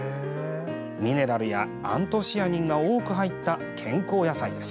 ミネラルやアントシアニンが多く入った健康野菜です。